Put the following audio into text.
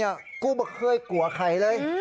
ไอ้แม่วิลิมไม่เคยกลัวใครเลย